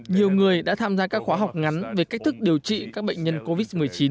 nhiều người đã tham gia các khóa học ngắn về cách thức điều trị các bệnh nhân covid một mươi chín